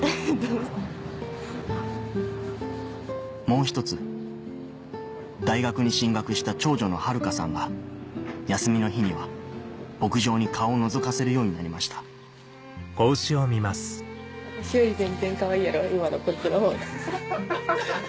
もう１つ大学に進学した長女の春花さんが休みの日には牧場に顔をのぞかせるようになりましたハハハ！